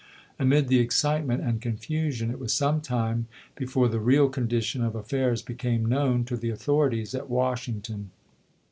Amid the excitement and confusion it was some time before the real condition of affairs became known to the author ities at Washington.